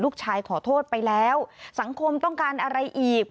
ขอโทษไปแล้วสังคมต้องการอะไรอีก